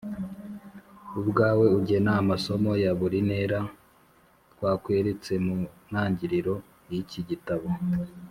ubwawe ugena amasomo ya buri ntera twakweretse. Mu ntangiriro y’iki gitabo